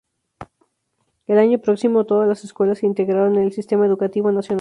El año próximo, todas las escuelas se integraron en el sistema educativo nacional.